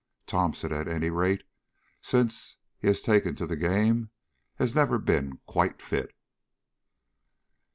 Thomson, at any rate, since he has taken to the game, has never been quite fit.